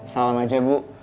salam aja bu